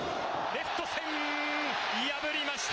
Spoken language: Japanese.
レフト線、破りました。